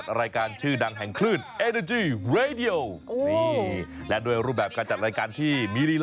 ดูลีลาคนนี้ซะก่อน